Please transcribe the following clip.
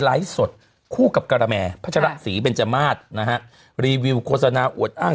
ไร้สดคู่กับกะระแม่พระฉรัฐศรีเป็นจมาสนะฮะรีวิวโฆษณาอวดอ้าง